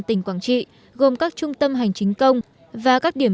tỉnh quảng trị gồm các trung tâm hành chính công và các điểm